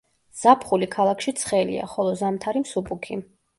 ზაფხული ქალაქში ცხელია, ხოლო ზამთარი მსუბუქი.